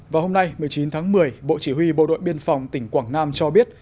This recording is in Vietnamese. và hôm nay một mươi chín tháng một mươi bộ chỉ huy bộ đội biên phòng tỉnh quảng nam cho biết